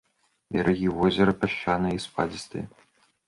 Берагі возера пясчаныя і спадзістыя.